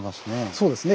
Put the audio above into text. そうですね